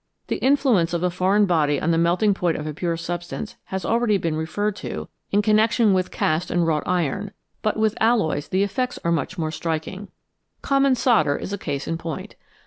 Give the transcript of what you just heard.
The influence of a foreign body on the melting point of a pure sub stance has already been referred to in connection with cast 75 TWO METALS BETTER THAN ONE and wrought iron, but with alloys the effects are much more striking. Common solder is a case in point.